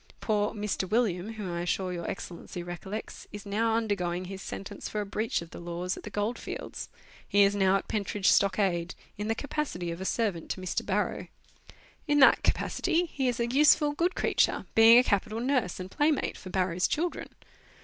Poor "Mr. William," whom I am sure Your Excellency recollects, is now undergoing his sentence for a breach of the laws at the gold fields; he is now at Pentridge Stockade, in the capacity of a servant to Mr. Barrow. In that capacity he is a useful, good creature, being a capital nurse and playmate for Barrow's children.